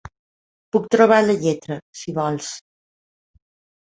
Puc trobar la lletra, si vols.